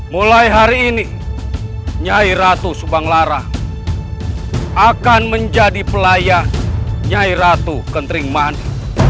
mulai hari ini nyai ratu subang lara akan menjadi pelayan nyai ratu kentring mandi